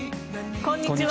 こんにちは。